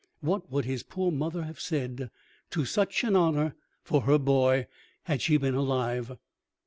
What would his poor mother have said to such an honor for her boy, had she been alive!